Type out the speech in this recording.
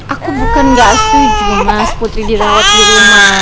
aku bukan gak setuju mas putri dirawat di rumah